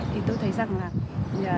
thì tôi thấy rằng là